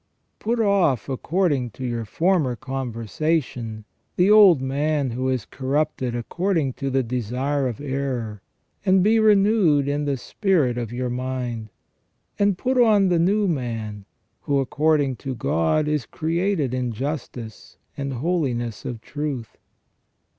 " Put off, according to your former conversation, the old man who is corrupted according to the desire of error, and be renewed in the spirit of your mind : and put on the new man, who, according to God, ON JUSTICE AND MORAL EVIL. 219 is created in justice, and holiness of truth."